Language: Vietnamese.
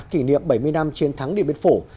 kỷ niệm bảy mươi năm chiến thắng điện biên phủ